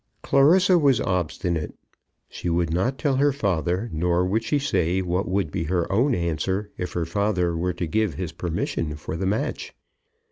Clarissa was obstinate. She would not tell her father, nor would she say what would be her own answer if her father were to give his permission for the match.